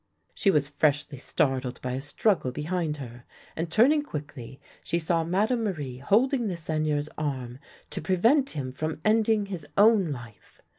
She was freshly startled by a struggle behind her, and, turning quickly, she saw Madame Marie holding the Seigneur's arm to prevent him from ending his own life.